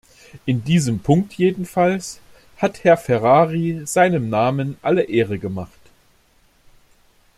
In diesem Punkt jedenfalls hat Herr Ferrari seinem Namen alle Ehre gemacht.